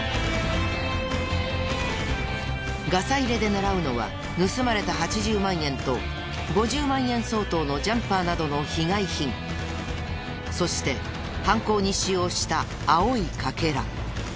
ガサ入れで狙うのは盗まれた８０万円と５０万円相当のジャンパーなどの被害品そして犯行に使用した青い欠片。